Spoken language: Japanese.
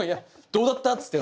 「どうだった？」